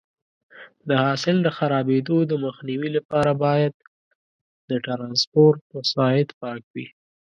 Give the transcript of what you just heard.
د حاصل د خرابېدو مخنیوي لپاره باید د ټرانسپورټ وسایط پاک وي.